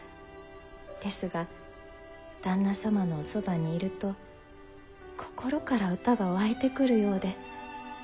ですが旦那様のおそばにいると心から歌が湧いてくるようで。